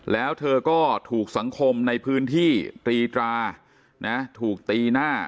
แล้วเธอก็ถูกสังคมในพื้นที่ตรีตราถูกตีหน้า